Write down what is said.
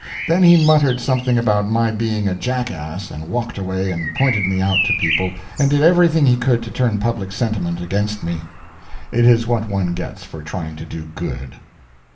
Then he muttered something about my being a jackass, and walked away and pointed me out to people, and did everything he could to turn public sentiment against me. It is what one gets for trying to do good.